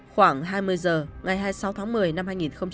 khoảng hai mươi h ngày hai mươi sáu tháng một mươi năm hai nghìn một mươi chín